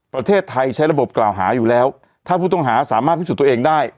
ประเทศไทยใช้ระบบกล่าวหาอยู่แล้วถ้าผู้ต้องหาสามารถพิสูจน์ตัวเองได้